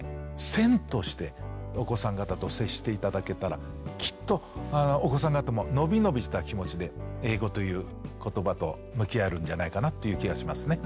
線としてお子さん方と接して頂けたらきっとお子さん方も伸び伸びした気持ちで英語という言葉と向き合えるんじゃないかなっていう気がしますね。